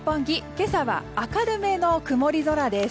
今朝は明るめの曇り空です。